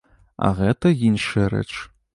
А гэта іншая рэч.